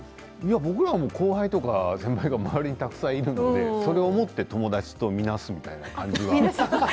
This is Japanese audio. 僕ら後輩とか先輩が周りにいるのでそれをもって友達とみなすみたいな。